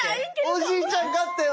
おじいちゃん勝ったよ